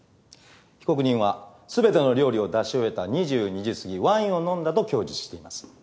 被告人は全ての料理を出し終えた２２時すぎワインを飲んだと供述しています。